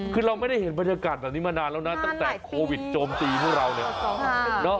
คือเราไม่ได้เห็นบรรยากาศแบบนี้มานานแล้วนะตั้งแต่โควิดโจมตีพวกเราเนี่ย